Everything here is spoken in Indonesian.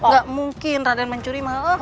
gak mungkin raden mencuri malah